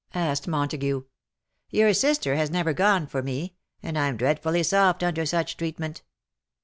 asked Montague. ^' Your sister has never gone for me — and Fm dreadfully soft under such treatment.